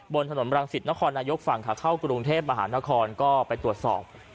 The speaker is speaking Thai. บนถนนรังสิตนครนายกฝั่งขาเข้ากรุงเทพมหานครก็ไปตรวจสอบ